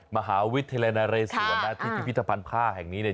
มหาวิทยาลัยนเรสวนที่พิธภัณฑ์ผ้าแห่งนี้